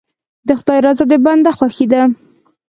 د خدای رضا د بنده خوښي ده.